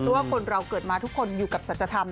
เพราะว่าคนเราเกิดมาทุกคนอยู่กับสัจธรรม